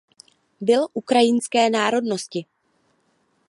Byl ukrajinské národnosti.